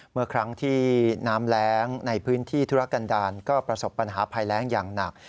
เมื่อครั้งที่น้ำแรงในพื้นที่ธุรกันดาลก็ประสบปัญหาภัยแรงอย่างหนัก